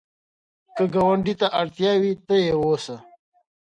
که ګاونډي ته اړتیا وي، ته یې وسه